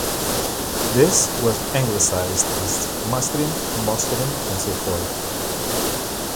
This was anglicized as "Mastrim", "Mostrim", and so forth.